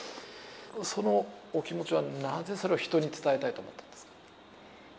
そのお気持ちはなぜそれを人に伝えたいと思ったんですか。